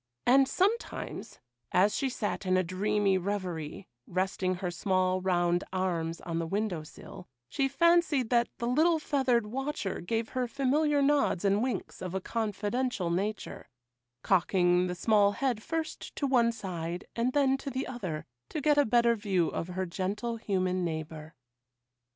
And sometimes, as she sat in dreamy reverie, resting her small, round arms on the window sill, she fancied that the little feathered watcher gave her familiar nods and winks of a confidential nature,—cocking the small head first to one side and then to the other, to get a better view of her gentle human neighbour.